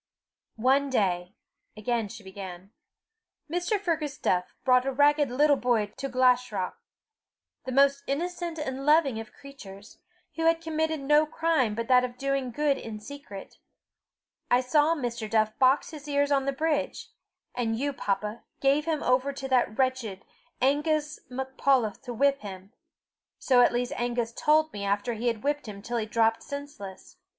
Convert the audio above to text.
"One day," again she began, "Mr. Fergus Duff brought a ragged little boy to Glashruach the most innocent and loving of creatures, who had committed no crime but that of doing good in secret. I saw Mr. Duff box his ears on the bridge; and you, papa, gave him over to that wretch, Angus MacPholp, to whip him so at least Angus told me, after he had whipped him till he dropped senseless.